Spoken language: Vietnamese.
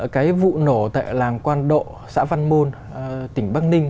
cái vụ nổ tại làng quan độ xã văn môn tỉnh bắc ninh